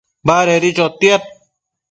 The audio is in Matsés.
Badedi chotiad